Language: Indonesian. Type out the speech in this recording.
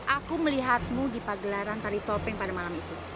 aku melihatmu di pagelaran tari topeng pada malam itu